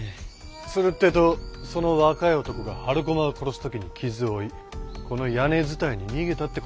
するってえとその若い男が春駒が殺すときに傷を負いこの屋根伝いに逃げたってことかい？